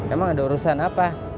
emang ada urusan apa